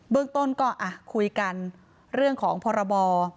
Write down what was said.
เรื่องต้นก็คุยกันเรื่องของพรบ